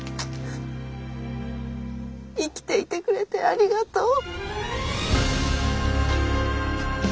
生きていてくれてありがとう。